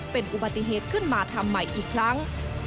เป็นอุบัติเหตุขึ้นมาทำใหม่อีกครั้ง